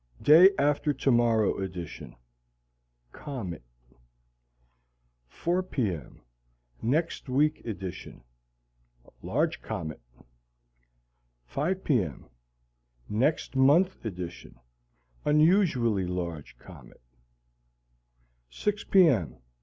Day After Tomorrow Edition Comet 4 P. M. Next Week Edition Large comet 5 P. M. Next Month Edition Unusually large comet 6 P. M.